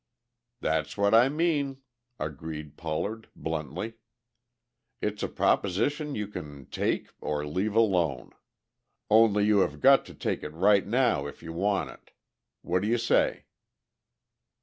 "That's what I mean," agreed Pollard bluntly. "It's a proposition you can take or leave alone. Only you have got to take it right now if you want it. What do you say?"